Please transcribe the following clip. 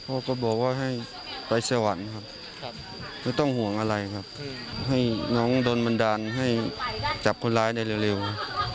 ก็บอกว่าให้ไปสวรรค์ครับไม่ต้องห่วงอะไรครับให้น้องโดนบันดาลให้จับคนร้ายได้เร็วครับ